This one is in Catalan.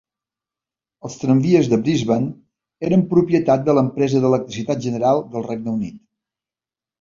Els tramvies de Brisbane eren propietat de l'empresa d'electricitat general del Regne Unit.